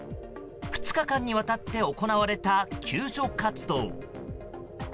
２日間にわたって行われた救助活動。